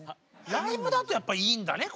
ライブだとやっぱいいんだね。